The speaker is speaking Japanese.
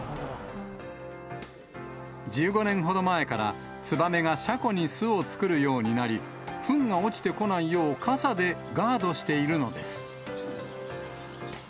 １５年ほど前から、ツバメが車庫に巣を作るようになり、ふんが落ちてこないよう、傘でガードしているのです。